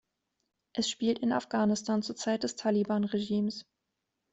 Es spielt in Afghanistan zur Zeit des Taliban-Regimes.